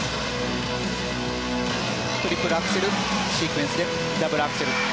トリプルアクセルシークエンスでダブルアクセル。